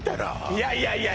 いやいやいや